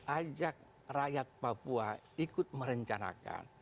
ajak rakyat papua ikut merencanakan